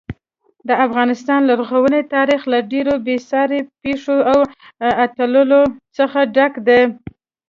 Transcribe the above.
د افغانستان لرغونی تاریخ له ډېرو بې ساري پیښو او اتلولیو څخه ډک دی.